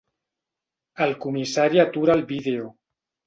El comissari atura el video.